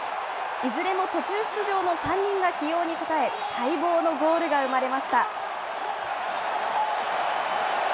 いずれも途中出場の３人が起用に応え、待望のゴールが生まれました。